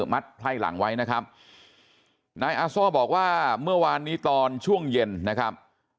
ไพร่หลังไว้นะครับนายอาโซ่บอกว่าเมื่อวานนี้ตอนช่วงเย็นนะครับ